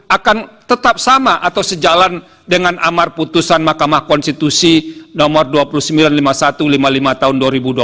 akan tetap sama atau sejalan dengan amar putusan mahkamah konstitusi nomor dua puluh sembilan lima puluh satu lima puluh lima tahun dua ribu dua puluh